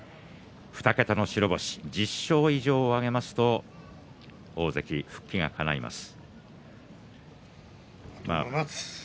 ２桁の白星１０勝以上挙げますと大関復帰がかないます。